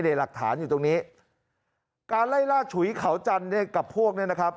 หลักฐานอยู่ตรงนี้การไล่ล่าฉุยเขาจันทร์เนี่ยกับพวกเนี่ยนะครับ